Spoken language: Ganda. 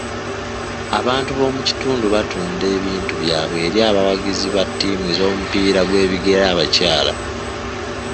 Abantu b'omu kitundu batunda ebintu byabwe eri abawagizi ba ttiimu z'omupiira gw'ebigere abakyala.